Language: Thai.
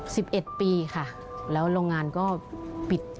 สิบเอ็ดปีค่ะแล้วโรงงานก็ปิด